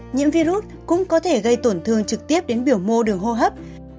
nhiễm virus cũng có thể gây tổn thương trực tiếp đến biểu mô đường hô hấp